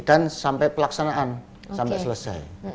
dan sampai pelaksanaan sampai selesai